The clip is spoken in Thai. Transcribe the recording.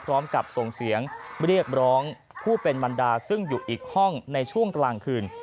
พร้อมกับส่งเสียงเรียกร้องผู้เป็นบรรดาซึ่งอยู่อีกห้องในช่วงกลางคืน